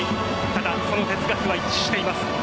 ただ、その哲学は一致しています。